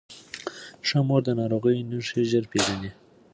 ښه مور د ناروغۍ نښې ژر پیژني.